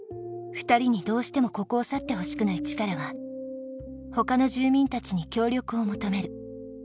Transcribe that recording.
２人にどうしてもここを去ってほしくないチカラは他の住民たちに協力を求める。